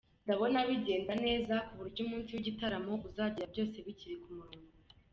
Ndabona bigenda neza ku buryo umunsi w’igitaramo uzagera byose biri ku murongo.